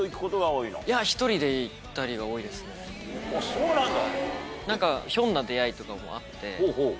そうなんだ。